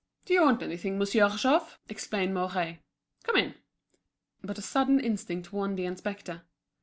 "Do you want anything. Monsieur Jouve?" exclaimed Mouret. "Come in." But a sudden instinct warned the inspector.